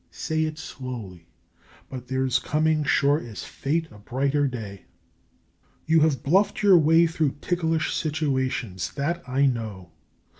(Say it slowly!) "But there's coming sure as fate, a brighter day!" You have bluffed your way through ticklish situations; that I know.